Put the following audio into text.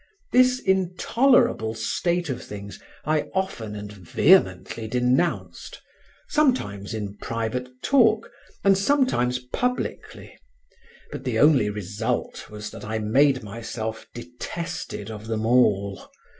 This intolerable state of things I often and vehemently denounced, sometimes in private talk and sometimes publicly, but the only result was that I made myself detested of them all.